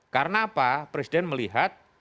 karena apa presiden melihat